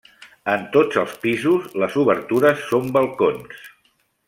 En tots els pisos les obertures són balcons.